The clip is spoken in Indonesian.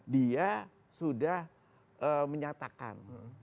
dia sudah menyatakan